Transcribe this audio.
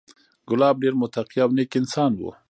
کلاب ډېر متقي او نېک انسان و،